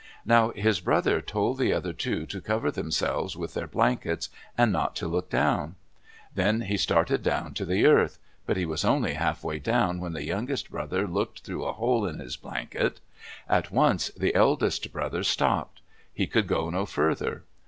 Now this brother told the other two to cover themselves with their blankets, and not to look down. Then he started down to the earth, but he was only halfway down when the youngest brother looked through a hole in his blanket. At once the eldest brother stopped. He could go no further.